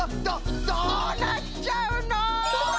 どどどうなっちゃうの！？